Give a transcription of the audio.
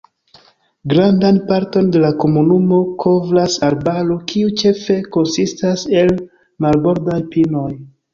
Grandan parton de la komunumo kovras arbaro, kiu ĉefe konsistas el marbordaj pinoj.